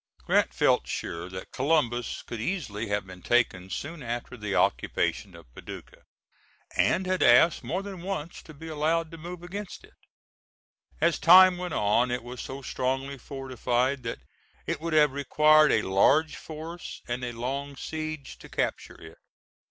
[Grant felt sure that Columbus could easily have been taken soon after the occupation of Paducah, and had asked more than once to be allowed to move against it. As time went on it was so strongly fortified that it would have required a large force and a long siege to capture it.